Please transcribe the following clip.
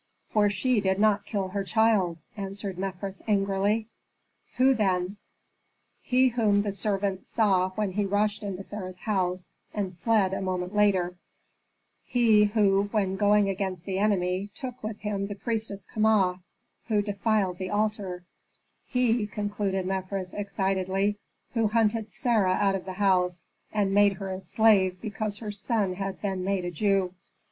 "For she did not kill her child," answered Mefres, angrily. "Who, then?" "He whom the servants saw when he rushed into Sarah's house and fled a moment later; he who, when going against the enemy, took with him the priestess Kama, who defiled the altar; he," concluded Mefres, excitedly, "who hunted Sarah out of the house, and made her a slave because her son had been made a Jew."